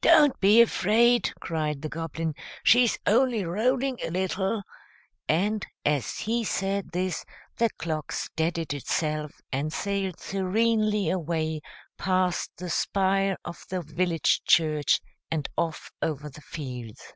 "Don't be afraid!" cried the Goblin, "she's only rolling a little;" and, as he said this, the clock steadied itself and sailed serenely away past the spire of the village church and off over the fields.